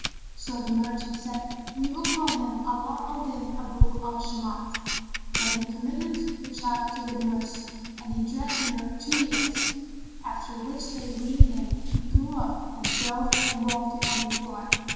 So the merchant said, "We will call him Ala al Din Abъ al Shбmбt."[FN#30] Then he committed the child to the nurse, and he drank milk two years, after which they weaned him and he grew up and throve and walked upon the floor.